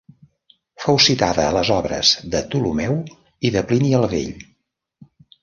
Fou citada a les obres de Ptolemeu i de Plini el Vell.